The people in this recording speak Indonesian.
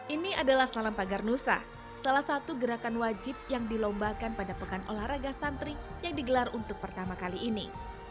ini adalah salam pagar nusa salah satu gerakan wajib yang dilombakan pada pekan olahraga santri yang digelar untuk pertama kali ini